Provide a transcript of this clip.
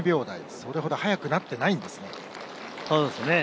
それほど早くなってないんです。